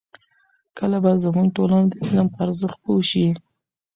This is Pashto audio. کله به زموږ ټولنه د علم په ارزښت پوه شي؟